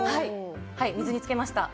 水につけました。